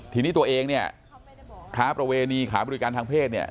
ทีนี้ตัวเองเนี่ยค้าประเวณีขายบริการทางเพศเนี่ย